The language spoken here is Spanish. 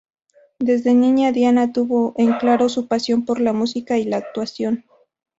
Desde niña Diana tuvo en claro su pasión por la música y la actuación.